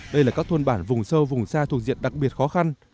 đây là các thôn bản vùng sâu vùng xa thuộc diện đặc biệt khó khăn